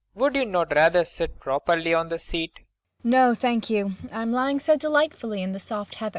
] Would you not rather sit properly on the seat? MAIA. [Drowsily.] No, thank you. I'm lying so delightfully in the soft heather.